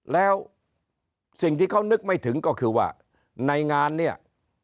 แล้วสิ่งที่เขานึกไม่ถึงก็คือว่าในงานเนี่ย